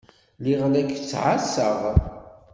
Lliɣ la k-ttɛassaɣ.